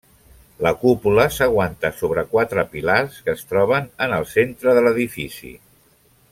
La cúpula s'aguanta sobre quatre pilars, que es troben en el centre de l'edifici.